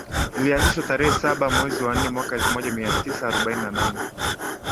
Lilianzishwa tarehe saba mwezi wa nne mwaka elfu moja mia tisa arobaini na nane